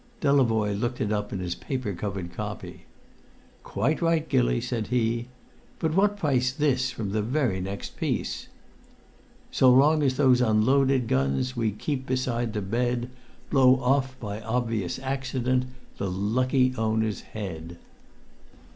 '" Delavoye looked it up in his paper covered copy. "Quite right, Gilly!" said he. "But what price this from the very next piece? "'So long as those unloaded guns We keep beside the bed, Blow off, by obvious accident, The lucky owner's head.'